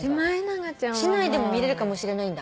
市内でも見れるかもしれないんだ？